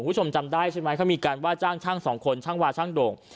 คุณผู้ชมจำได้ใช่ไหมเขามีการว่าจ้างช่างสองคนช่างวาช่างโด่ง